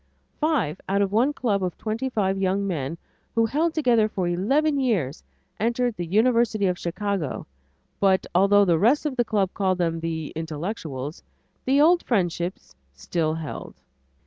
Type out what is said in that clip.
Five out of one club of twenty five young men who had held together for eleven years, entered the University of Chicago but although the rest of the Club called them the "intellectuals," the old friendships still held.